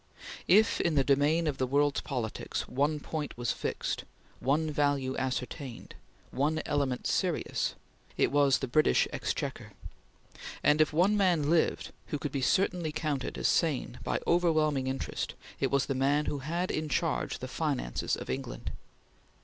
If, in the domain of the world's politics, one point was fixed, one value ascertained, one element serious, it was the British Exchequer; and if one man lived who could be certainly counted as sane by overwhelming interest, it was the man who had in charge the finances of England.